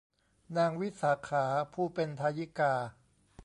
นางวิสาขา ผู้เป็นทายิกา